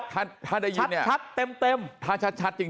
ถ้าได้ยินเนี่ยชัดเต็มถ้าชัดจริง